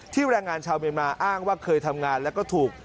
แรงงานชาวเมียนมาอ้างว่าเคยทำงานแล้วก็ถูก